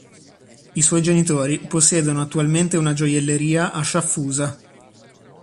I suoi genitori possiedono attualmente una gioielleria a Sciaffusa.